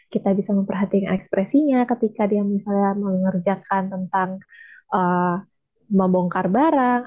kita bisa memperhatikan ekspresinya ketika dia misalnya mengerjakan tentang membongkar barang